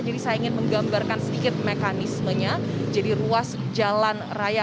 jadi saya ingin menggambarkan sedikit mekanismenya jadi ruas jalan raya